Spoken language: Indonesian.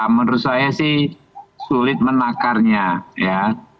menurut saya sih sulit menakarnya ya